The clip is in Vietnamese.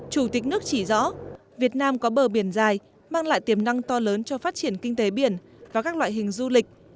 chủ tịch nước chỉ rõ việt nam có bờ biển dài mang lại tiềm năng to lớn cho phát triển kinh tế biển và các loại hình du lịch